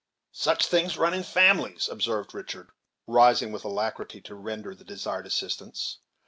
"Such things run in families," observed Richard, rising with alacrity to render the desired assistance.